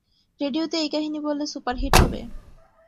রেডিওতে এই কাহিনী বললে সুপার হিট হবে।